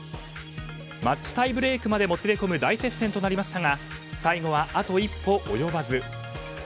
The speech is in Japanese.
マッチタイブレークまでもつれこむ大接戦となりましたが最後はあと一歩及ばず。